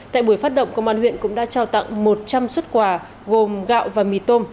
tại buổi phát động công an huyện cũng đã trao tặng một trăm linh xuất quà gồm gạo và mì tôm